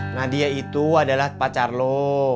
nadia itu adalah pacar lo